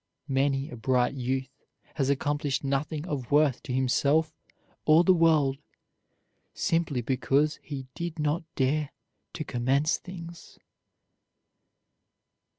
Many a bright youth has accomplished nothing of worth to himself or the world simply because he did not dare to commence things.